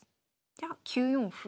じゃあ９四歩。